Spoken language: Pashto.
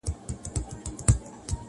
تا يو څو شېبې زما سات دئ راتېر كړى-